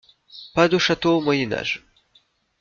Pas de château au Moyen Age.